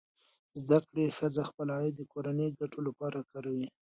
زده کړه ښځه خپل عاید د کورنۍ ګټو لپاره کاروي.